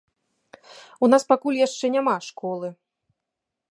У нас пакуль яшчэ няма школы.